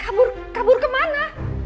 kabur kabur kemana